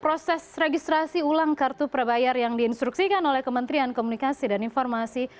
proses registrasi ulang kartu prabayar yang diinstruksikan oleh kementerian komunikasi dan informasi